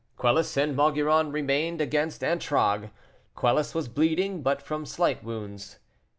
Quelus and Maugiron remained against Antragues. Quelus was bleeding, but from slight wounds.